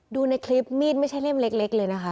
ดูในคลิปมีดไม่ใช่เล่มเล็กเลยนะคะ